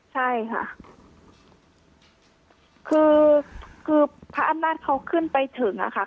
ใช่ค่ะคือคือพระอำนาจเขาขึ้นไปถึงอะค่ะ